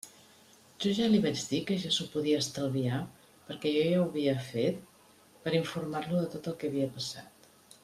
Jo li vaig dir que ja s'ho podia estalviar perquè jo ja ho havia fet per informar-lo de tot el que havia passat.